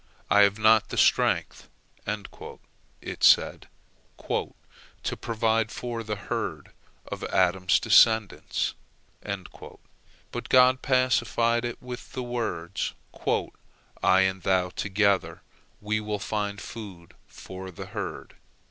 "I have not the strength," it said, "to provide food for the herd of Adam's descendants." But God pacified it with the words, "I and thou together, we will find food for the herd."